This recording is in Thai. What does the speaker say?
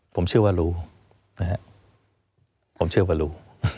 ผมเชื่อว่ารู้นะฮะผมเชื่อว่ารู้